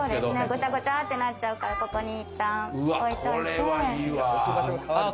ごちゃごちゃってなっちゃうから、ここに一旦置いといて。